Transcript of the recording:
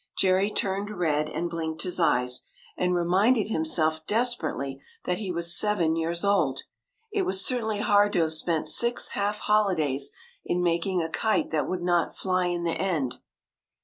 Jerry turned red, and blinked his eyes, and reminded himself desperately that he was seven years old. It was certainly hard to have spent six half holidays in making a kite that would not fly in the end.